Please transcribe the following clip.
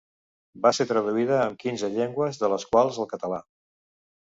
Va ser traduïda en quinze llengües, de les quals el català.